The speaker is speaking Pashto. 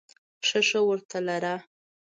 ښه ښه ورته لره !